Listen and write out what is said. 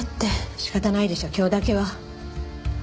仕方ないでしょ今日だけは。